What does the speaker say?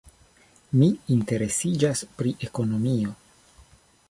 Mi interesiĝas pri ekonomio.